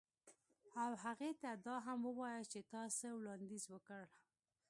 او هغې ته دا هم ووایه چې تا څه وړاندیز وکړ